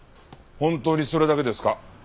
本当にそれだけですか？